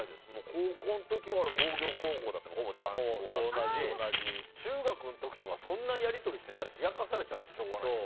高校の時は工業高校だからほぼ男子校だったし中学の時とかそんなやり取りしていたら冷やかされちゃってしょうがない。